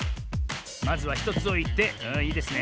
まずは１つおいていいですね。